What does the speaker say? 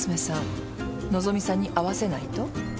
和希さんに会わせないと？